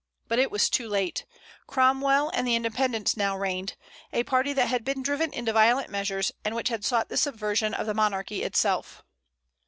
But it was too late. Cromwell and the Independents now reigned, a party that had been driven into violent measures, and which had sought the subversion of the monarchy itself.